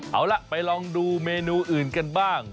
เอาล่ะไปลองดูเมนูอื่นกันบ้าง